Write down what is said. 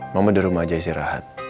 mama di rumah aja isi rahat